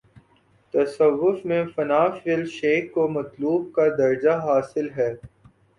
تصوف میں فنا فی الشیخ کو مطلوب کا درجہ حا صل ہے۔